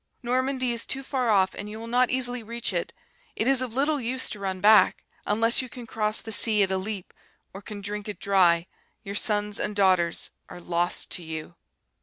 Normandy is too far off and you will not easily reach it. It is of little use to run back; unless you can cross the sea at a leap, or can drink it dry, your sons and daughters are lost to you.